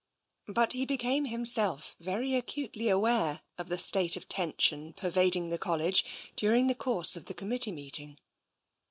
But he became himself very acutely aware of the state of tension pervading the College during the course of the committee meeting.